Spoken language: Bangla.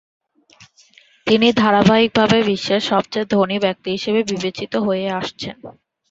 তিনি ধারাবাহিকভাবে বিশ্বের সবচেয়ে ধনী ব্যক্তি হিসেবে বিবেচিত হয়ে আসছেন।